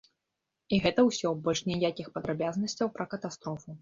І гэта ўсё, больш ніякіх падрабязнасцяў пра катастрофу.